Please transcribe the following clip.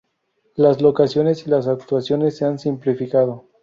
Las locaciones y las actuaciones se ha simplificado.